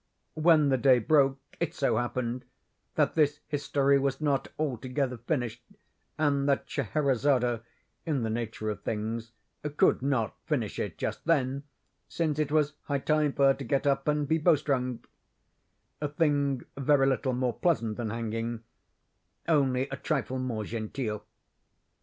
When the day broke, it so happened that this history was not altogether finished, and that Scheherazade, in the nature of things could not finish it just then, since it was high time for her to get up and be bowstrung—a thing very little more pleasant than hanging, only a trifle more genteel!